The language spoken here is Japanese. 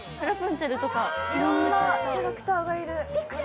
いろんなキャラクターがいる。